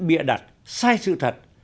bịa đặt sai sự thật